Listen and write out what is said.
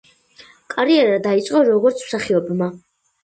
კარიერა დაიწყო როგორც მსახიობმა.